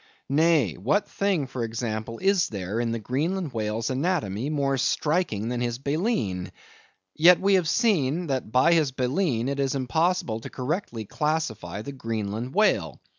Nay; what thing, for example, is there in the Greenland whale's anatomy more striking than his baleen? Yet we have seen that by his baleen it is impossible correctly to classify the Greenland whale.